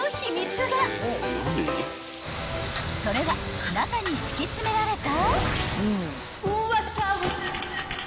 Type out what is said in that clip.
［それは中に敷き詰められた］